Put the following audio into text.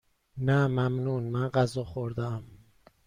نه ممنون، من غذا خوردهام.